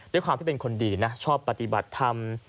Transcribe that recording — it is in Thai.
ด้วยความที่เป็นคนดีนะชอบปฏิบัติธรรม